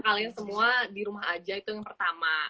kalian semua di rumah aja itu yang pertama